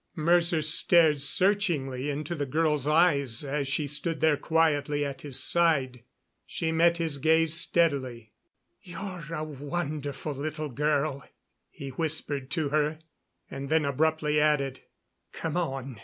Mercer stared searchingly into the girl's eyes as she stood there quietly at his side. She met his gaze steadily. "You're a wonderful little girl," he whispered to her, and then abruptly added: "Come on.